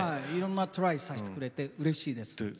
いろいろなトライをさせてくれて、うれしいです。